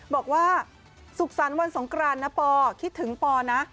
บอกว่าสุขสรรค์วันสงกรานนะปอคิดถึงปอนะ